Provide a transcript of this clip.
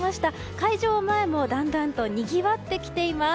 会場前もだんだんとにぎわってきています。